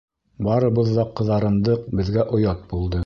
Барыбыҙ ҙа ҡыҙарындыҡ, беҙгә оят булды.